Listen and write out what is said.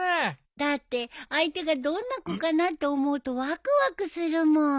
だって相手がどんな子かなって思うとわくわくするもん。